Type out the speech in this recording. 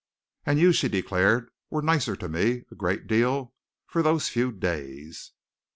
"And you," she declared, "were nicer to me, a great deal, for those few days."